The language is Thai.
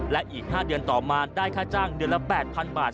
และอีก๕เดือนต่อมาได้ค่าจ้างเดือนละ๘๐๐๐บาท